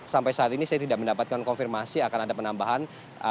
sampai saat ini saya tidak mendapatkan konfirmasi akan ada penambahan